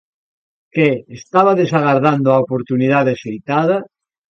Que, estabades agardando a oportunidade axeitada?